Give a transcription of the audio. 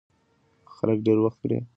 خلک ډېر وخت پرې خبرې نه کوي.